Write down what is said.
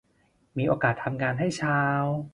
มีโอกาสทำงานให้ชาว